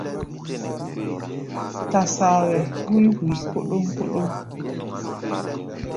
Tasaoʼɛ húí hui kóɗóŋ-kóɗóŋ.